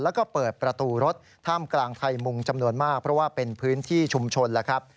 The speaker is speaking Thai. แล้วก็เปิดประตูรถท่ามกลางไทยมุงจำนวนมากเพราะว่าเป็นพื้นที่ชุมชนแล้วครับ